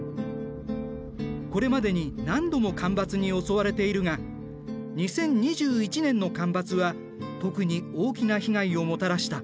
これまでに何度も干ばつに襲われているが２０２１年の干ばつは特に大きな被害をもたらした。